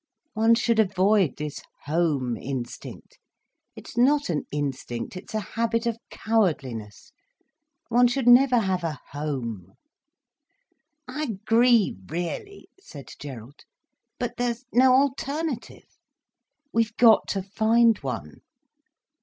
"One should avoid this home instinct. It's not an instinct, it's a habit of cowardliness. One should never have a home." "I agree really," said Gerald. "But there's no alternative." "We've got to find one.